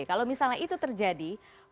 kalau misalnya itu terjadi potensialnya lakukan apa